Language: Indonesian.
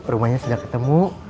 rumahnya sudah ketemu